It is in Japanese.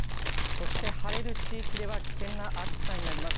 そして晴れる地域では危険な暑さになります。